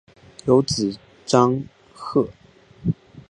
有子章碣。